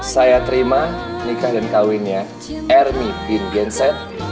saya terima nikah dan kawinnya ermy bin genset